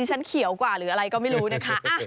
ฉันเขียวกว่าหรืออะไรก็ไม่รู้นะคะ